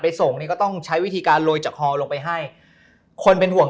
ส่งนี่ก็ต้องใช้วิธีการโรยจากฮอลงไปให้คนเป็นห่วง